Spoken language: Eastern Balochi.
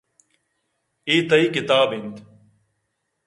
اے تئی کتاب اِنت